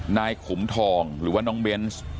นายขุมทองหรือว่าน้องเบนส์